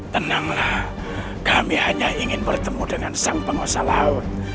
tenanglah kami hanya ingin bertemu dengan sang pengusaha laut